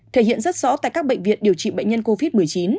thể hiện rất rõ tại các bệnh viện điều trị bệnh nhân covid một mươi chín